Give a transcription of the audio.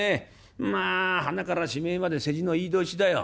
まあはなからしめえまで世辞の言い通しだよ。